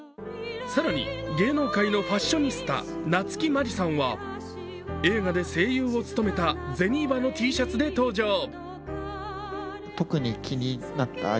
更に、芸能界のファッショニスタ夏木マリさんは映画で声優を務めた銭婆のＴシャツで登場。